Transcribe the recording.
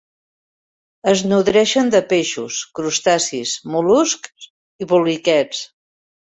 Es nodreixen de peixos, crustacis, mol·luscs i poliquets.